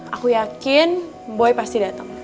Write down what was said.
aku yakin boy pasti datang